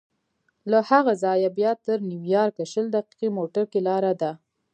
له هغه ځایه بیا تر نیویارکه شل دقیقې موټر کې لاره ده.